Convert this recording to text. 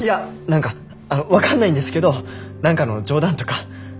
何かあの分かんないんですけど何かの冗談とか。